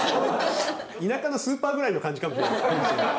田舎のスーパーぐらいの感じかもしれない。